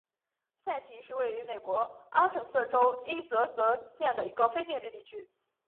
塞奇是位于美国阿肯色州伊泽德县的一个非建制地区。